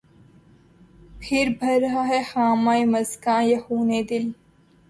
پهر بهر رہا ہے خامہ مژگاں، بہ خونِ دل